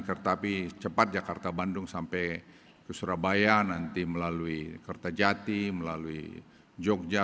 kereta api cepat jakarta bandung sampai ke surabaya nanti melalui kertajati melalui jogja